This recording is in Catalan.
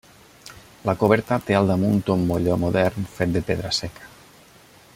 La coberta té al damunt un molló modern fet de pedra seca.